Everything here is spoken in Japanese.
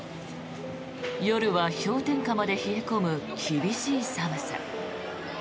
夜は氷点下まで冷え込む厳しい寒さ。